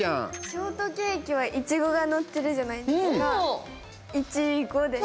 ショートケーキはイチゴが乗ってるじゃないですか「１５」です。